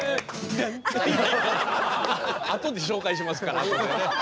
あとで紹介しますからあとでね。